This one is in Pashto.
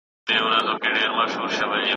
ایا په دې کلي کې څوک ډاکټر شته؟